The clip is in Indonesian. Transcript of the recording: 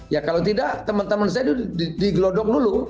ya kalau tidak teman teman saya digelodong dulu